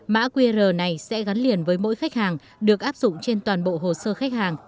mã qr này sẽ gắn liền với mỗi khách hàng được áp dụng trên toàn bộ hồ sơ khách hàng